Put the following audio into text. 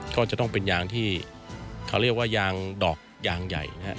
ก็จะต้องเป็นยางที่เขาเรียกว่ายางดอกยางใหญ่นะครับ